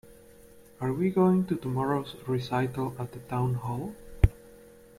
Are we going to tomorrow's recital at the town hall?